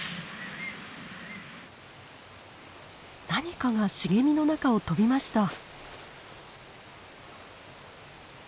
何かが茂みの中を飛びました。